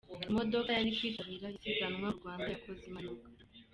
Imodoka yari kwitabira isiganwa mu Rwanda yakoze impanuka